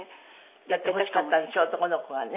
だって欲しかったんでしょ男の子がね。